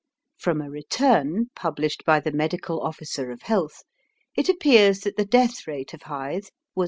From a return, published by the Medical Officer of Health, it appears that the death rate of Hythe was 9.